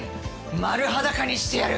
丸裸にしてやる！